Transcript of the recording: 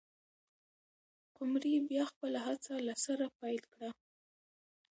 قمري بیا خپله هڅه له سره پیل کړه.